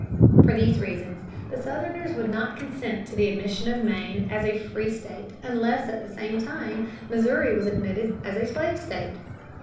For these reasons the Southerners would not consent to the admission of Maine as a free state unless at the same time Missouri was admitted as a slave state.